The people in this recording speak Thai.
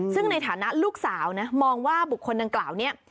ซึ่งในฐานะลูกสาวนะมองว่าบุคคลดังกล่าวนี้